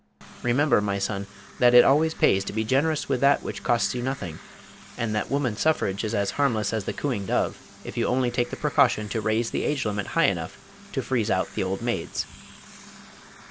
Remember my son, that it always pays to be generous with that which costs you nothing, and that woman's suffrage is as harmless as the cooing dove if you only take the precaution to raise the age limit high enough to freeze out the old maids."